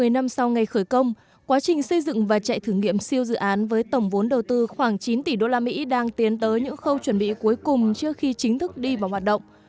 một mươi năm sau ngày khởi công quá trình xây dựng và chạy thử nghiệm siêu dự án với tổng vốn đầu tư khoảng chín tỷ usd đang tiến tới những khâu chuẩn bị cuối cùng trước khi chính thức đi vào hoạt động